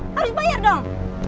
harus bayar dong